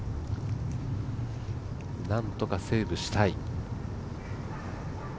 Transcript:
なんとかセーブしたい。